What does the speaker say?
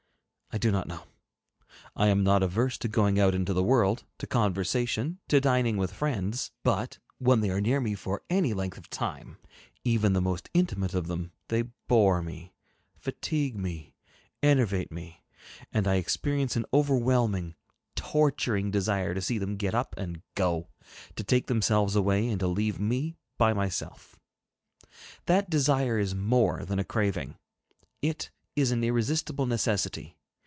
I do not know. I am not averse to going out into the world, to conversation, to dining with friends, but when they are near me for any length of time, even the most intimate of them, they bore me, fatigue me, enervate me, and I experience an overwhelming, torturing desire to see them get up and go, to take themselves away, and to leave me by myself. That desire is more than a craving; it is an irresistible necessity.